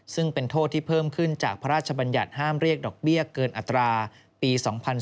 ซึ่งเป็นโทษที่เพิ่มขึ้นจากพระราชบัญญัติห้ามเรียกดอกเบี้ยเกินอัตราปี๒๔